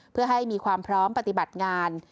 เพื่อให้มีความพร้อมปฏิบัติงาน